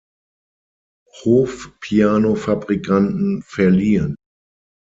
Hof-Piano-Fabrikanten verliehen.